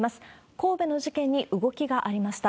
神戸の事件に動きがありました。